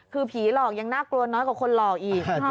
คือผีหลอกยังน่ากลัวน้อยกว่าคนหลอกอีก